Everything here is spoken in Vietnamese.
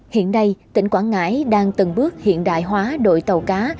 hiện nay tỉnh quảng ngãi đang từng bước hiện đại hóa đội tàu cá